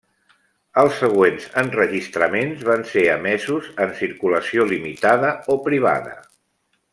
Els següents enregistraments van ser emesos en circulació limitada o privada.